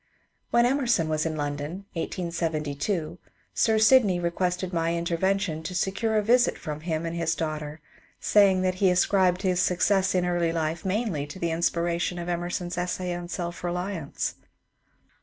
When Emerson was in London (1872) Sir Sydney re quested my intervention to secure a visit from him and his daughter, saying that he ascribed his success in life mainly to the inspiration of Emerson's essay on '^ Self Beliance."